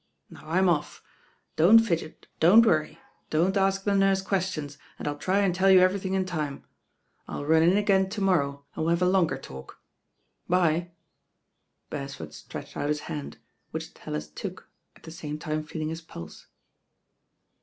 Now Im off. Don't fidget, don't worry, don't ask the nurse questions, and I'll try and teU you everything m tune. I'U run in again to^norrow, and we'U have a longer talk. 'Bye." Beresford stretched out his hand, which Tallit took, at the same time feeling his pulse.